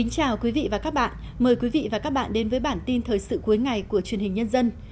chào mừng quý vị đến với bản tin thời sự cuối ngày của truyền hình nhân dân